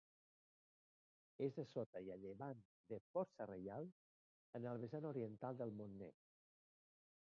És a sota i a llevant de Força Reial, en el vessant oriental del Montner.